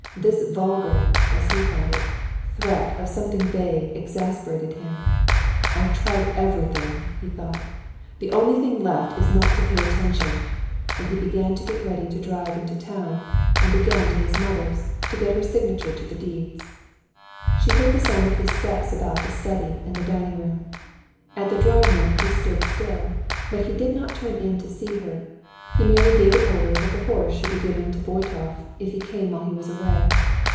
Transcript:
This vulgar—as he thought it—threat of something vague exasperated him. "I've tried everything," he thought; "the only thing left is not to pay attention," and he began to get ready to drive into town, and again to his mother's to get her signature to the deeds. She heard the sound of his steps about the study and the dining room. At the drawing room he stood still. But he did not turn in to see her, he merely gave an order that the horse should be given to Voytov if he came while he was away.